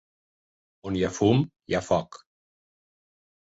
On hi ha fum, hi ha foc.